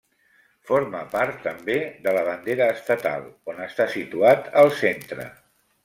Forma part també de la bandera estatal, on està situat al centre.